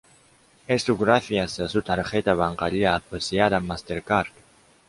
Esto gracias a su tarjeta bancaria asociada Mastercard.